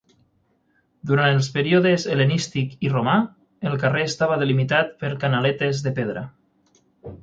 Durant els períodes hel·lenístic i romà, el carrer estava delimitat per canaletes de pedra.